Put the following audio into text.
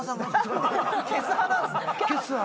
消す派なんすね。